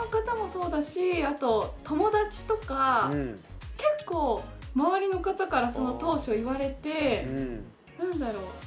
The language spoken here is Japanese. あと友達とか結構周りの方からその当初言われて何だろう。